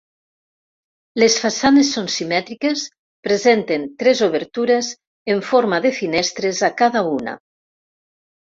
Les façanes són simètriques, presenten tres obertures en forma de finestres a cada una.